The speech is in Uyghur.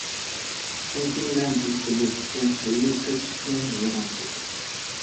چۈنكى مەن بىز بىللە تىككەن سۆيگۈ كۆچىتىنى ۋەيران قىلدىم.